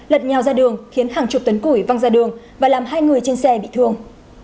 lật nhào ra đường khiến hàng chục tấn củi văng ra đường và làm hai người trên xe bị thương